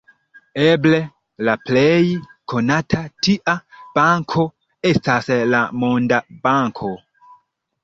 Eble la plej konata tia banko estas la Monda Banko.